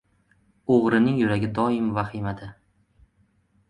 • O‘g‘rining yuragi doim vahimada.